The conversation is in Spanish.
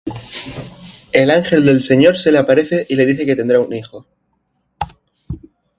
El ángel del Señor se le aparece y le dice que tendrá un hijo.